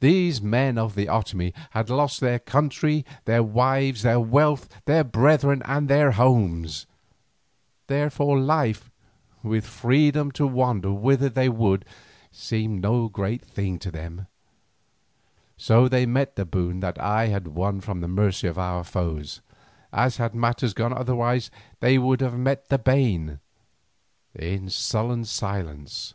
These men of the Otomie had lost their country, their wives, their wealth, their brethren, and their homes; therefore life, with freedom to wander whither they would, seemed no great thing to them. So they met the boon that I had won from the mercy of our foes, as had matters gone otherwise they would have met the bane, in sullen silence.